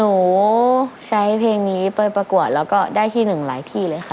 หนูใช้เพลงนี้ไปประกวดแล้วก็ได้ที่หนึ่งหลายที่เลยค่ะ